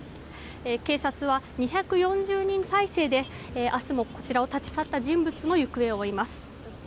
警察は２４０人態勢で明日もこちらを立ち去った人物の行方を追います。